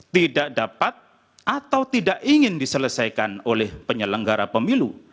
tidak dapat atau tidak ingin diselesaikan oleh penyelenggara pemilu